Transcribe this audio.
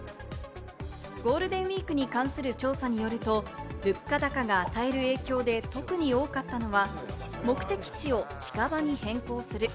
ゴールデンウイークに関する調査によると、物価高が与える影響で特に多かったのは、目的地を近場に変更する。